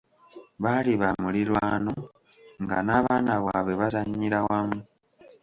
Baali ba mulirwano nga n'abaana babwe bazanyira wamu.